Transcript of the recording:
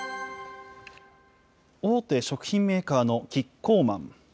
大手食品メーカーのキッコーマン。